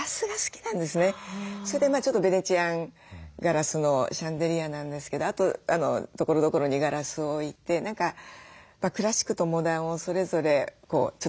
それでちょっとベネチアンガラスのシャンデリアなんですけどあとところどころにガラスを置いて何かクラシックとモダンをそれぞれちょっと引き立たせたいというか。